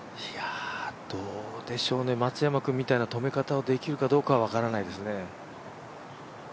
どうでしょうね、松山君みたいな止め方をできるかどうかは分からないですね。